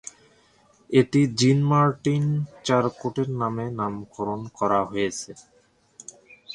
এটি জিন-মার্টিন চারকোটের নামে নামকরণ করা হয়েছে।